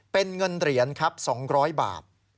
เป็นเงินเหรียญครับ๒๐๐บาท